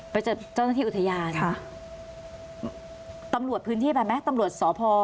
ไปเจอเจ้าหน้าที่อุทยานค่ะตำรวจพื้นที่ไปไหมตำรวจสพ